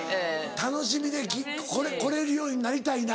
・楽しみで来れるようになりたいな。